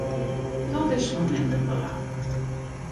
Dat is fan minder belang.